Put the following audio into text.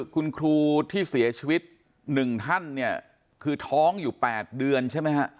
คุณครูที่เสียชีวิต๑ท่านเนี่ยคือท้องอยู่๘เดือนใช่ไหมฮะ